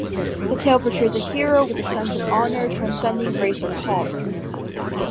The tale portrays a hero with a sense of honor transcending race or politics.